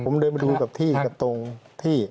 ผมเดินมาดูกับที่กับตรงที่